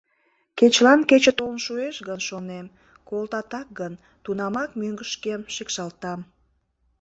Кечылан кече толын шуэш гын, шонем, колтатак гын, тунамак мӧҥгышкем шикшалтам.